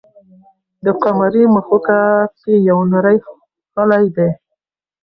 د قمرۍ مښوکه کې یو نری خلی دی.